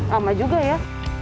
lama juga ya